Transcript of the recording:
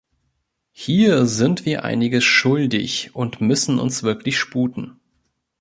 Hier sind wir einiges schuldig und müssen uns wirklich sputen.